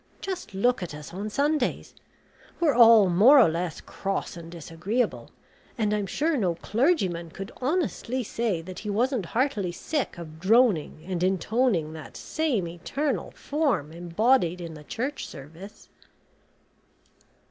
Just look at us on Sundays. We're all more or less cross and disagreeable, and I'm sure no clergyman could honestly say that he wasn't heartily sick of droning and intoning that same eternal form embodied in the Church Service."